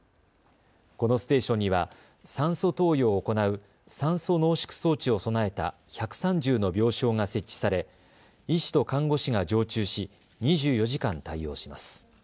このステーションには酸素投与を行う酸素濃縮装置を備えた１３０の病床が設置され医師と看護師が常駐し、２４時間対応します。